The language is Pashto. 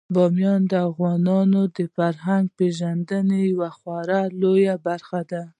بامیان د افغانانو د فرهنګي پیژندنې یوه خورا لویه برخه ده.